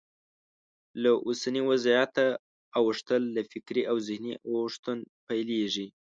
له اوسني وضعیته اوښتل له فکري او ذهني اوښتون پیلېږي.